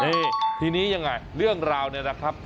นี่ทีนี้ยังไงเรื่องราวเนี่ยนะครับ